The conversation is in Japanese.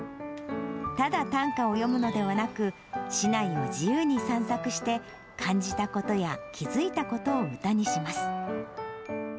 ただ短歌を詠むのではなく、市内を自由に散策して、感じたことや気付いたことを歌にします。